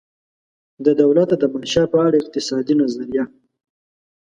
د دولته دمنشا په اړه اقتصادي نظریه